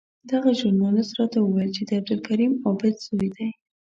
دغه ژورنالېست راته وویل چې د عبدالکریم عابد زوی دی.